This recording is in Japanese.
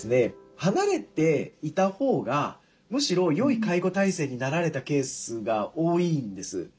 離れていたほうがむしろよい介護体制になられたケースが多いんです。